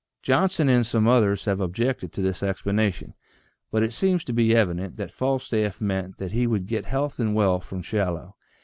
Johnson and some others have objected to this explana tion, but it seems to be evident that Falstaff meant that he would get health and wealth from Shallow.